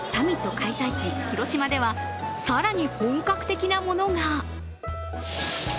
開催地・広島では更に本格的なものが。